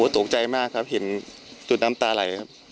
ตกใจมากครับเห็นจุดน้ำตาไหลครับ